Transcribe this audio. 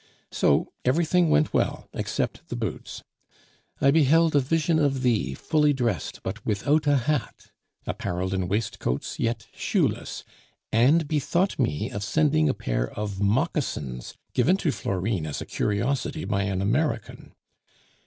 So everything went well except the boots. I beheld a vision of thee, fully dressed, but without a hat! appareled in waistcoats, yet shoeless! and bethought me of sending a pair of moccasins given to Florine as a curiosity by an American.